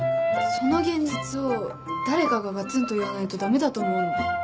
その現実を誰かがガツンと言わないと駄目だと思うの。